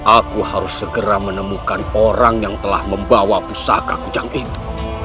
aku harus segera menemukan orang yang telah membawa pusaka kujang itu